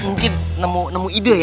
mungkin nemu ide ya pak rt